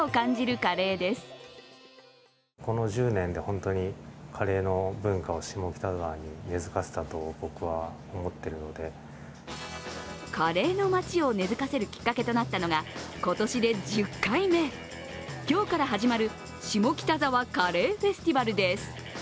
カレーの街を根づかせるきっかけとなったのが今年で１０回目、今日から始まる下北沢カレーフェスティバルです。